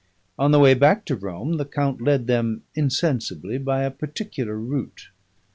On the way back to Rome, the count led them insensibly by a particular route.